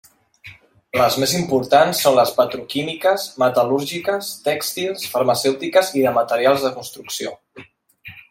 Les més importants són les petroquímiques, metal·lúrgiques, tèxtils, farmacèutiques i de materials de construcció.